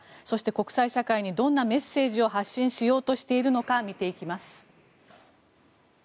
そして、国際社会にどんなメッセージを発信しようとしているのか見ていきます。